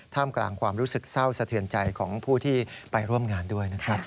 กลางความรู้สึกเศร้าสะเทือนใจของผู้ที่ไปร่วมงานด้วยนะครับ